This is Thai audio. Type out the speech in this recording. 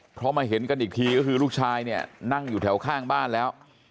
เพราะมาเห็นกันอีกทีก็คือลูกชายเนี่ยนั่งอยู่แถวข้างบ้านแล้ว